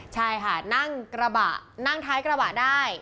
ใช่ค่ะนั่งท้ายกระบะได้